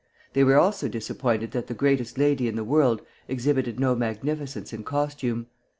They were also disappointed that the greatest lady in the world exhibited no magnificence in costume.